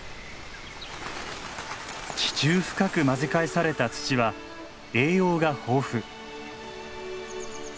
地中深く混ぜ返された土は栄養が豊富。